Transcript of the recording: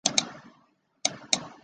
元延元年刘快被封为徐乡侯。